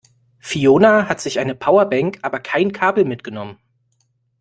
Fiona hat sich eine Powerbank, aber kein Kabel mitgenommen.